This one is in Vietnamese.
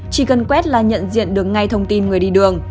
chỉ cần quét là nhận diện được ngay thông tin người đi đường